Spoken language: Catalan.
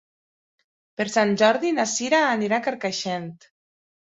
Per Sant Jordi na Cira anirà a Carcaixent.